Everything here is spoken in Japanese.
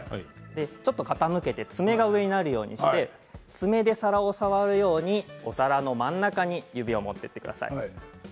ちょっと傾けて爪が上になるようにして爪で皿を触るようにお皿の真ん中に指を持っていってください。